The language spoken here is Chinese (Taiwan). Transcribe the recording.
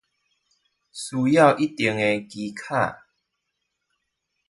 需要一定技巧